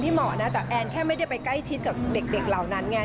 นี่เหมาะนะแต่แอนแค่ไม่ได้ไปใกล้ชิดกับเด็กเหล่านั้นไง